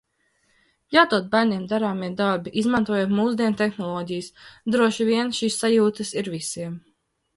Jādod bērniem darāmie darbi, izmantojot mūsdienu tehnoloģijas. Droši vien šīs sajūtas ir visiem.